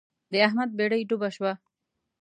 د احمد بېړۍ ډوبه شوه.